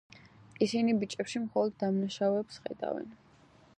ისინი ბიჭებში მხოლოდ დამნაშავეებს ხედავენ.